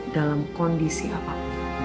dalam kondisi apapun